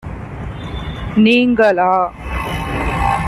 நீங்களா?